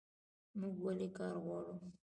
موږ ولې کار غواړو؟